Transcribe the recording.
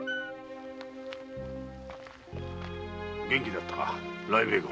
元気だったか雷鳴号？